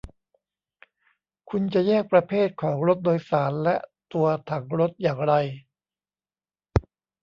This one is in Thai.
คุณจะแยกประเภทของรถโดยสารและตัวถังรถอย่างไร ?